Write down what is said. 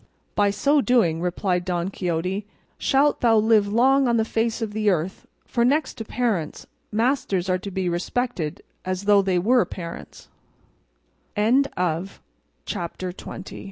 "By so doing," replied Don Quixote, "shalt thou live long on the face of the earth; for next to parents, masters are to be respected as though they were parents." CHAPTER